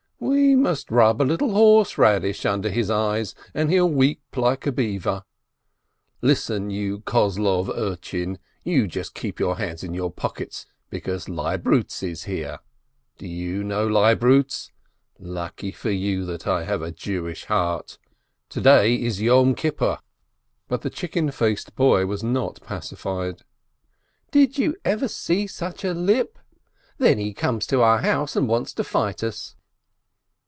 "We must rub a little horseradish under his eyes, and he'll weep like a beaver. Listen, you Kozlov urchin, you just keep your hands in your pockets, be cause Leibrutz is here ! Do you know Leibnitz ? Lucky for you that I have a Jewish heart: to day is Yom Kippur." But the chicken faced boy was not pacified. "Did you ever see such a lip? And then he comes to our house and wants to fight us